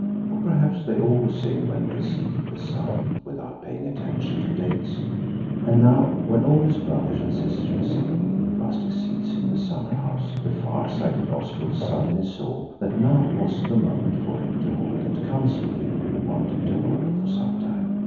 Or perhaps they always sing when they see the sun, without paying attention to dates. And now, when all his brothers and sisters were sitting on the rustic seats in the summer house, the far sighted Oswald suddenly saw that now was the moment for him to hold that council he had been wanting to hold for some time.